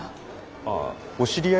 ああお知り合いですか？